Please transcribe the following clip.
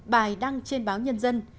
bài đăng trên báo nhân dân